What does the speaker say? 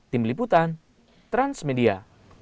tim liputan transmedia